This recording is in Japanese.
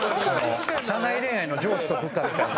社内恋愛の上司と部下みたいな。